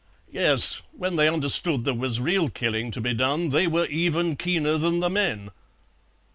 "Yes; when they understood there was real killing to be done they were even keener than the men."